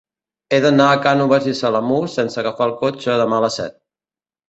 He d'anar a Cànoves i Samalús sense agafar el cotxe demà a les set.